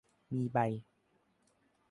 มีใบ